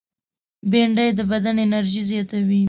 بېنډۍ د بدن انرژي زیاتوي